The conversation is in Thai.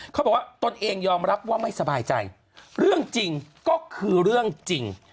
ตนเองยอมรับว่าไม่สบายใจเรื่องจริงก็คือเรื่องจริง